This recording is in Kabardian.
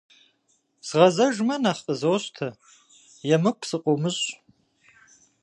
Згъэзэжмэ, нэхъ къызощтэ, емыкӀу сыкъыумыщӀ.